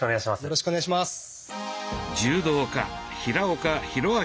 よろしくお願いします。